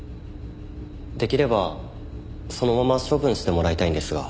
できればそのまま処分してもらいたいんですが。